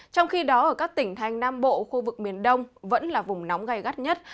trong khi đó ở các tỉnh thành nam bộ khu vực miền đông vẫn là vùng nóng gai gắt nhất